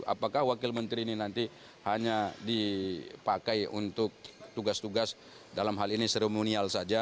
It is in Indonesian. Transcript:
apakah wakil menteri ini nanti hanya dipakai untuk tugas tugas dalam hal ini seremonial saja